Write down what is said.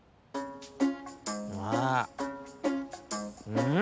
うん！